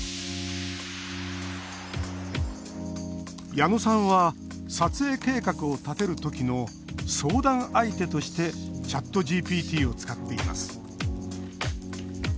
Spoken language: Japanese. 矢野さんは撮影計画を立てる時の相談相手としてＣｈａｔＧＰＴを使っています。